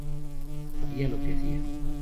Sabía lo que se hacía.